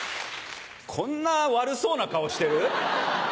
こんな悪そうな顔してる？